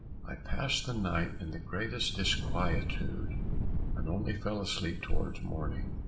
I passed the night in the greatest disquietude, and only fell asleep towards morning.